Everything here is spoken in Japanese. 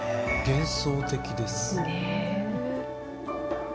幻想的です。